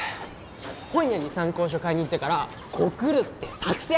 本屋に参考書買いに行ってから告るって作戦！